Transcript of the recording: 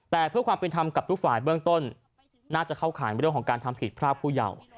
แต่เพื่อความเป็นธรรมกับทุกฝ่ายเบื้องต้นน่าจะเข้าข่ายเรื่องของการทำผิดพรากผู้เยาว์